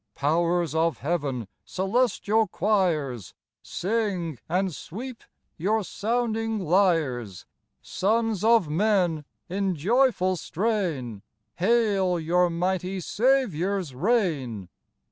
Powers of heaven, celestial choirs, Sing and sweep your sounding lyres ; Sons of men, in joyful strain Hail your mighty Saviour's reign.